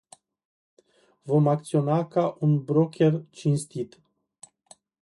Vom acționa ca un "broker cinstit”.